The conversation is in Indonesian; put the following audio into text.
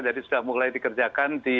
jadi sudah mulai dikerjakan di